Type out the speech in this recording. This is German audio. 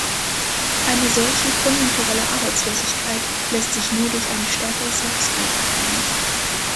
Eine solche konjunkturelle Arbeitslosigkeit lässt sich nur durch ein stärkeres Wachstum abfangen.